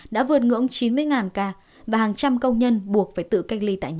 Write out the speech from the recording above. đã vượt ngưỡng chín mươi ca và hàng trăm công nhân buộc phải tự cách ly tại nhà